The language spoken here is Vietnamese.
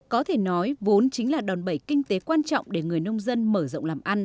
có thể nói vốn chính là đòn bẩy kinh tế quan trọng để người nông dân mở rộng làm ăn